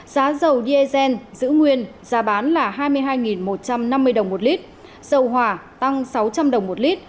giá xăng e năm tăng hai mươi hai một trăm năm mươi đồng một lít giá xăng e năm tăng hai mươi hai một trăm năm mươi đồng một lít giá xăng e năm tăng hai mươi hai một trăm năm mươi đồng một lít